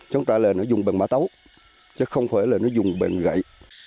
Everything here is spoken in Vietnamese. chống trả lệ nó dùng bằng má tấu chứ không phải là nó dùng bằng gậy